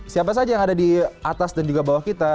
siapa saja yang ada di atas dan juga bawah kita